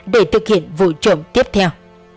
để thực hiện vụ trộm tiếp theo